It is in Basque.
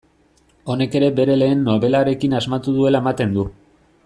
Honek ere bere lehen nobelarekin asmatu duela ematen du.